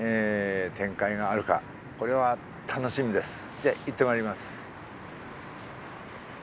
じゃいってまいります。